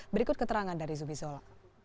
berikut keterangan dari zumizola